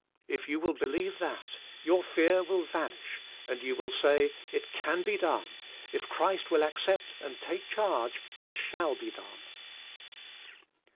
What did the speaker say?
If you will believe that, your fear will vanish and you will say: "It can be done; if Christ will accept and take charge, it shall be done."